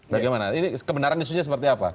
bagaimana ini kebenaran isunya seperti apa